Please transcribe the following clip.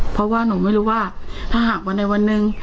เพราะว่าหนูไม่รู้ว่าถ้าหากวันใดวันหนึ่ง